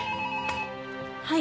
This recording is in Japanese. はい。